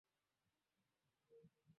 Mlango umefunguliwa